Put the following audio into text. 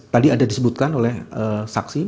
tadi ada disebutkan oleh saksi